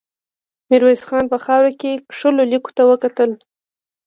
ميرويس خان په خاورو کې کښلو ليکو ته وکتل.